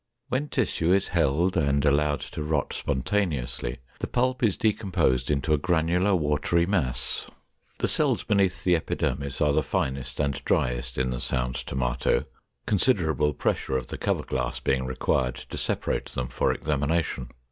When tissue is held and allowed to rot spontaneously, the pulp is decomposed into a granular, watery mass. The cells beneath the epidermis are the finest and driest in the sound tomato, considerable pressure of the cover glass being required to separate them for examination.